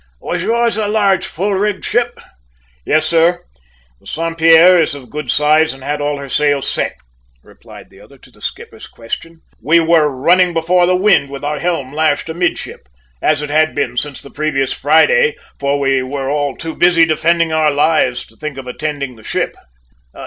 "Was yours a large, full rigged ship?" "Yes, sir, the Saint Pierre is of good size and had all her sails set," replied the other to the skipper's question. "We were running before the wind with our helm lashed amidship, as it had been since the previous Friday, for we were all too busy defending our lives to think of attending to the ship."